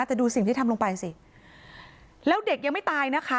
แต่ดูสิ่งที่ทำลงไปสิแล้วเด็กยังไม่ตายนะคะ